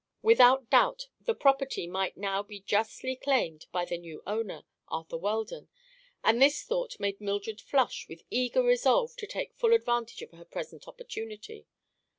Without doubt the property might now be justly claimed by the new owner, Arthur Weldon, and this thought made Mildred flush with eager resolve to take full advantage of her present opportunity.